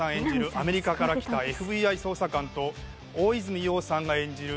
アメリカから来たＦＢＩ捜査官と大泉洋さんが演じる